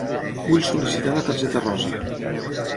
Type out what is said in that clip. Vull sol·licitar la targeta rosa.